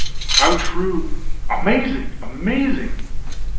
"How true!" "Amazing, amazing!"